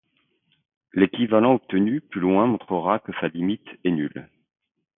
L'équivalent obtenu plus loin montrera que sa limite est nulle.